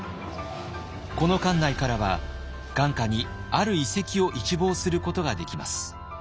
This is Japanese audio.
この館内からは眼下にある遺跡を一望することができます。